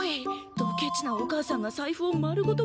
ドケチなお母さんがさいふを丸ごと